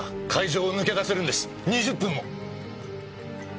２０分も！